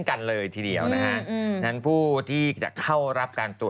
คนไข้ใส่อย่างเดียวมีความแบบ